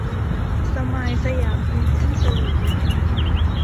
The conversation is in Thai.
สไมล์ สยาม พริ้นติ้ง เซอร์วิส